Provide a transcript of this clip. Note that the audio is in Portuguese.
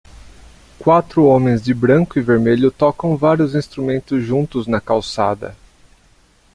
Quatro homens de branco e vermelho tocam vários instrumentos juntos na calçada.